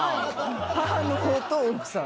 母の方と奥さん。